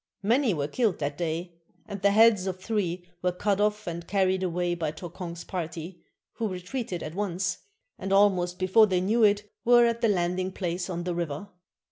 Many were killed that day, and the heads of three were cut off and carried away by Tokong's party, who retreated at once, and, almost before they knew it, were at the landing place on the river.